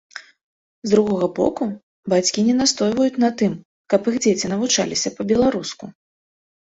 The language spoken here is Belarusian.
З другога боку, бацькі не настойваюць на тым, каб іх дзеці навучаліся па-беларуску.